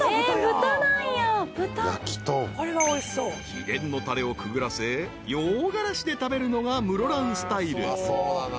［秘伝のたれをくぐらせ洋がらしで食べるのが室蘭スタイル］